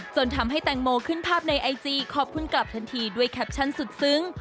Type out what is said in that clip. จนทำให้แตงโมขึ้นภาพในไอจีขอบคุณกลับทันทีด้วยแคปชั่นสุดซึ้ง